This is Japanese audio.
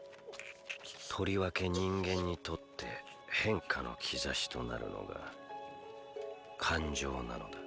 とりわけ人間にとって変化の兆しとなるのが「感情」なのだ